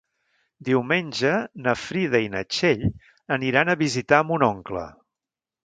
Diumenge na Frida i na Txell aniran a visitar mon oncle.